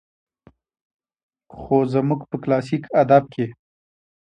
خو زموږ په کلاسيک ادب کې